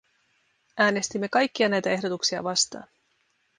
Äänestimme kaikkia näitä ehdotuksia vastaan.